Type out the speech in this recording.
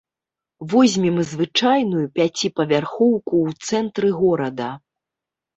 Возьмем звычайную пяціпавярхоўку ў цэнтры горада.